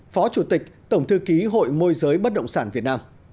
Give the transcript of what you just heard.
phó chủ tịch tổng thư ký hội môi giới bất động sản việt nam